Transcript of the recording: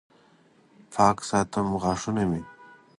پاک ساتم غاښونه مې